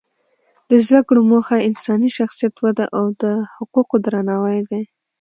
د زده کړو موخه انساني شخصیت وده او د حقوقو درناوی دی.